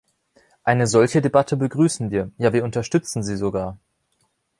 Eine solche Debatte begrüßen wir, ja wir unterstützen sie sogar.